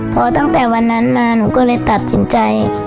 พอตั้งแต่วันนั้นมาหนูก็เลยตัดสินใจ